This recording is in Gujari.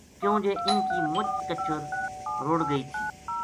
کیوں جے اِنھ کی مُچ کچر رُڑ گئی تھی